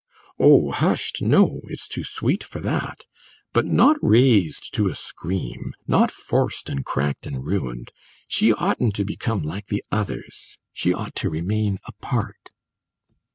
"Oh, hushed, no! it's too sweet for that. But not raised to a scream; not forced and cracked and ruined. She oughtn't to become like the others. She ought to remain apart."